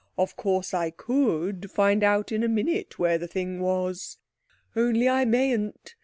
"Of course I could find out in a minute where the thing was, only I mayn't.